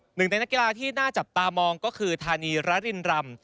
หนึ่งในนักกีฬาที่น่าจับตามองก็คือธานีรรินรำ